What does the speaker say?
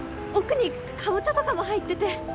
奥にカボチャとかも入ってて。